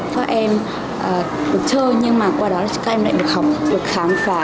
các em được chơi nhưng mà qua đó thì các em lại được học được khám phá